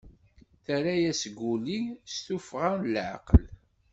Terra-as Guli s tufɣa n laɛqel.